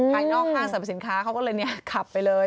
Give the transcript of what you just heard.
นอกห้างสรรพสินค้าเขาก็เลยขับไปเลย